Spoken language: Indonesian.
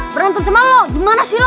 berantem sama lo gimana sih lo